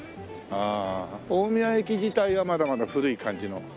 ああ大宮駅自体はまだまだ古い感じの。